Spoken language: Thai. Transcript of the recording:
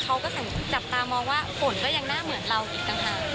เขาก็จับตามองว่าฝนก็ยังน่าเหมือนเราอีกต่างหาก